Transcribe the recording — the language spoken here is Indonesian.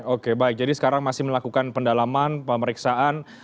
oke baik jadi sekarang masih melakukan pendalaman pemeriksaan